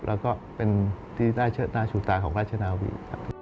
แล้วก็เป็นที่น่าชูตาของราชนาวี